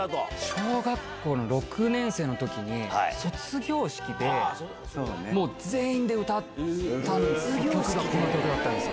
小学校の６年生のときに、卒業式で、もう全員で歌った曲がこの曲だったんです。